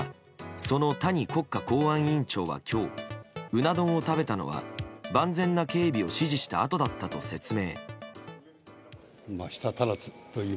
その谷国家公安委員長は今日うな丼を食べたのは万全な警備を指示したあとだったと説明。